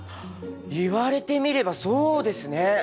言われてみればそうですね！